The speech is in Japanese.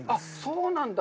そうなんだ。